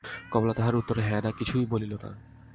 কমলা তাহার উত্তরে হাঁ-না কিছুই বলিল না।